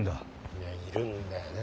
いやいるんだよね